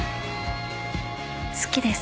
好きです